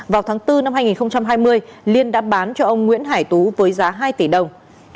vào tháng bốn năm hai nghìn hai mươi liên đã bán cho ông nguyễn hải tú với giá hai tỷ đồng